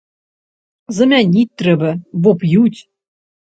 Замяніць трэба, бо п'юць.